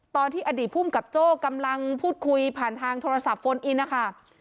ตอนที่อดีตภูมิกับโจ้กำลังพูดคุยผ่านทางโทรศัพท์โฟนอินนะคะ